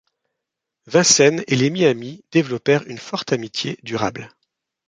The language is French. Vincennes et les Miamis développèrent une forte amitié durable.